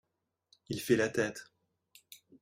Il fait la tête.